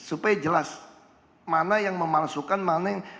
supaya jelas mana yang memalsukan mana yang